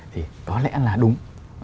thì có lẽ là đúng